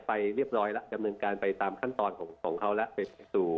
ไปเรียบร้อยแล้วดำเนินการไปตามขั้นตอนของเขาแล้วไปสู่